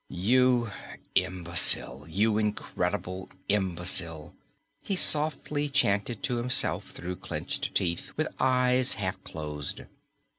"You imbecile, you incredible imbecile," he softly chanted to himself through clenched teeth, with eyes half closed.